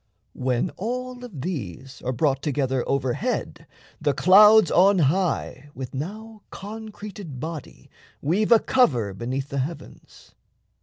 When all of these are brought Together overhead, the clouds on high With now concreted body weave a cover Beneath the heavens.